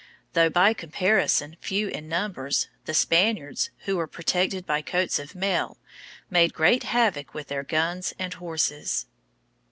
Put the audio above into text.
Though by comparison few in numbers, the Spaniards, who were protected by coats of mail, made great havoc with their guns and horses.